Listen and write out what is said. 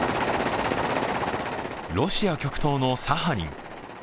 ロシア極東のサハリン。